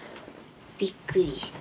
びっくりした。